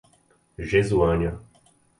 Jesuânia